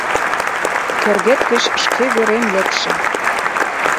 Кӧргет гыч шке вӱрем лекше...